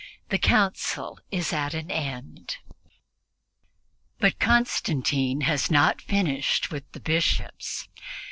The Council is at an end. But Constantine has not finished with the Bishops.